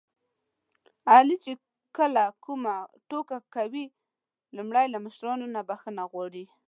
علي چې کله کومه ټوکه کوي لومړی له مشرانو نه بښنه غواړي.